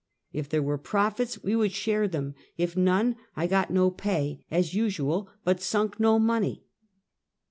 If there were profits, we would share them ; if none, I got no pay, as usual, but sunk no money.